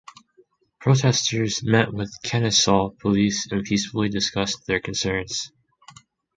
Protesters met with Kennesaw Police and peacefully discussed their concerns.